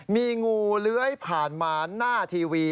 มีงูเลื้อยผ่านมาหน้าทีวี